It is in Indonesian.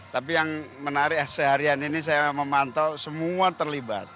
tapi yang menarik seharian ini saya memantau semua terlibat